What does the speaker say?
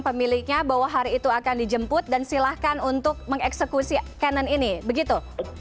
pemiliknya bahwa hari itu akan dijemput dan silahkan untuk mengeksekusi canon ini begitu